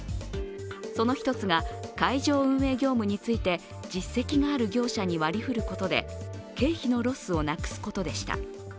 その一つが、開場運営業務について実績がある業者に割りふることで経費のロスをなくすことでした。